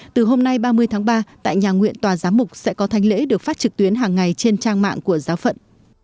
từ hôm nay ba mươi tháng ba tại nhà nguyện tòa giám mục sẽ có thanh lễ được phát trực tuyến hàng ngày trên trang mạng của giáo phận